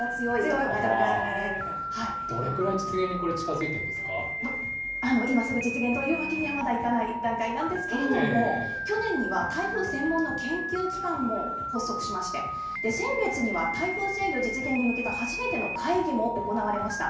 どれぐらい実現にこれ、今すぐ実現というわけにはまだいかない段階なんですけれども、去年には、台風専門の研究機関も発足しまして、先月には台風制御実現に向けた初めての会議も行われました。